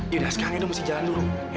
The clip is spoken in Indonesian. yaudah sekarang edo mesti jalan dulu